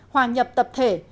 hoàn nhập tập thể